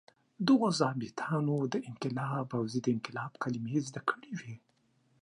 دغو ظابیطانو د انقلاب او ضد انقلاب کلمې زده کړې وې.